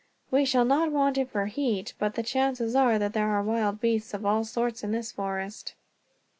"We shall not want it for heat, but the chances are that there are wild beasts of all sorts in this forest."